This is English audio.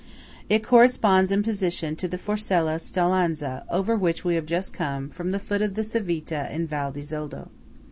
It corresponds in position to the Forcella Staulanza over which we have just come from the foot of the Civita in Val di Zoldo.